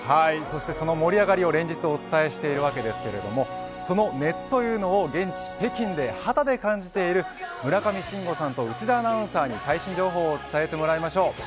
そして、その盛り上がりを連日お伝えしているわけですけどその熱というのを現地北京で肌で感じている村上信五さんと内田アナウンサーに最新情報を伝えてもらいましょう。